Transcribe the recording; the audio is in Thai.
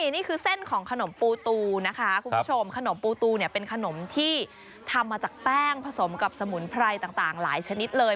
นี่คือเส้นของขนมปูตูนะคะคุณผู้ชมขนมปูตูเนี่ยเป็นขนมที่ทำมาจากแป้งผสมกับสมุนไพรต่างหลายชนิดเลย